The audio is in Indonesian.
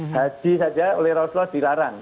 haji saja oleh rasulullah dilarang